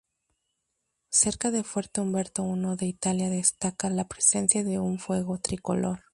Cerca de fuerte Humberto I de Italia destaca la presencia de un fuego tricolor.